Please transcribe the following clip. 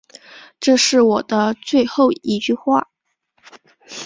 这是我的最后一句话